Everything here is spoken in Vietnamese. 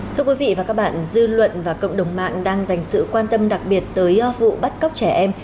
thưa quý vị và các bạn dư luận và cộng đồng mạng đang dành sự quan tâm đặc biệt tới vụ bắt cóc trẻ em